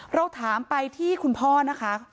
เราถามไปที่คุณพ่อนะคะ